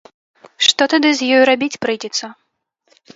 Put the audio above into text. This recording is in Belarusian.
Што тады з ёю рабіць прыйдзецца?